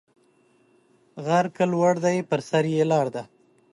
غر که لوړ دی پر سر یې لار ده